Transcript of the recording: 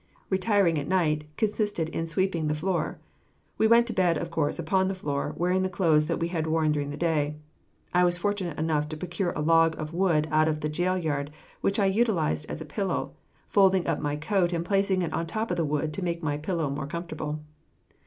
Retiring at night, consisted in sweeping the floor. We went to bed, of course, upon the floor, wearing the clothes that we had worn during the day. I was fortunate enough to procure a log of wood out in the jail yard, which I utilized as a pillow, folding up my coat and placing it on top of the wood to make my pillow more comfortable.